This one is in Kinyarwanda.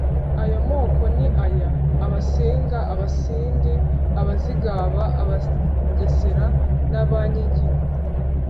Ayo moko ni aya: Abasinga, Abasindi, Abazigaba, Abagesera n’Abanyiginya,